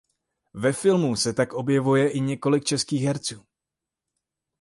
Ve filmu se tak objevuje i několik českých herců.